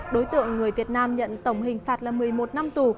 đối tượng người việt nam nhận tổng hình phạt là một mươi một năm tù